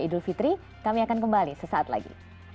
idul fitri kami akan kembali sesaat lagi